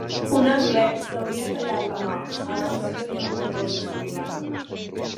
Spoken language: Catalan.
Un anglès s'hauria tallat la mà abans que dir una cosa semblant.